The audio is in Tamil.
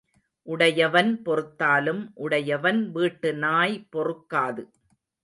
உடையவன் பொறுத்தாலும் உடையவன் வீட்டு நாய் பொறுக்காது.